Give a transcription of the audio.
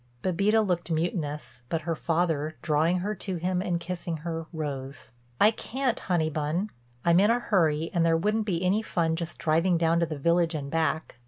Bébita looked mutinous, but her father, drawing her to him and kissing her, rose: "I can't honey bun. I'm in a hurry and there wouldn't be any fun just driving down to the village and back.